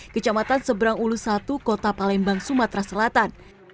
kecamatan seberang ulus satu kota palembang sumatera selatan